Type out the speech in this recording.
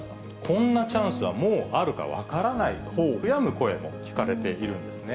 こんなチャンスはもうあるか分からないと、悔やむ声も聞かれているんですね。